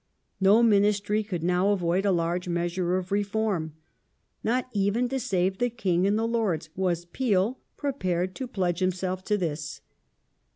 No Ministry could now avoid a large measure of '' Reform ". Not even to save the King and the Lords was Peel prepared to pledge himself to this.